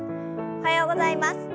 おはようございます。